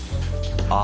あ。